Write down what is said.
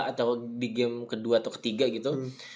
atau di game kedua atau ketiga gitu